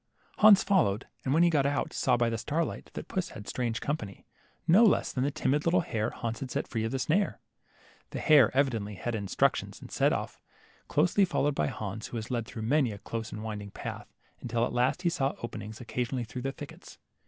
Hans followed, and when he got out, saw by the starlight that puss had strange company, no less than the timid little hare Hans had set free of the snare. The hare evidently had his instructions, and set off^ closely followed by Hans, who was led through many a close and winding path, until at last he saw open LITTLE HANS. 37 ings occasionally through the thickets.